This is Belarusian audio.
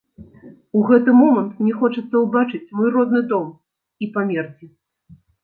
У гэты момант мне хочацца ўбачыць мой родны дом і памерці.